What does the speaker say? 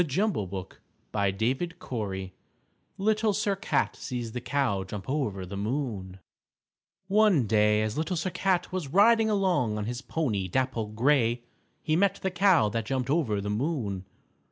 LITTLE SIR CAT Little Sir Cat Sees the Cow Jump Over the Moon One day as Little Sir Cat was riding along on his pony, Dapple Gray, he met the Cow that jumped over the moon.